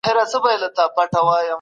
انسان بايد خپل عزت په سمو کړنو وساتي.